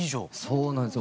そうなんですよ。